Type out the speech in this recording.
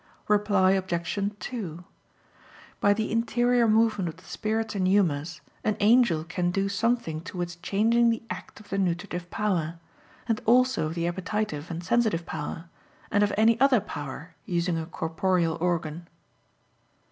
Reply Obj. 2: By the interior movement of the spirits and humors an angel can do something towards changing the act of the nutritive power, and also of the appetitive and sensitive power, and of any other power using a corporeal organ.